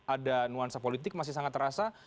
ada nuansa politik masih sangat terasa